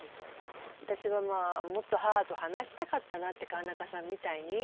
私はもっと母と話したかったなって川中さんみたいに。